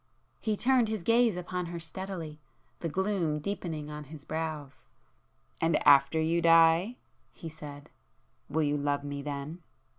He turned his gaze upon her steadily,—the gloom deepening on his brows. "And after you die?" he said—"Will you love me then?"